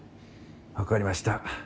分かりました。